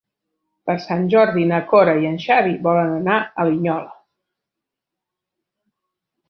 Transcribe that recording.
Per Sant Jordi na Cora i en Xavi volen anar a Linyola.